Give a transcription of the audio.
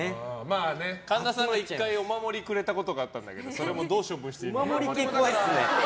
神田さんが１回お守りくれたことがあったんだけどそれも、どう処分していいか。